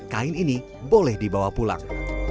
kain ini boleh dibawa pulang